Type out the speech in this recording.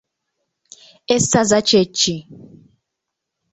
Essaazi kye ki?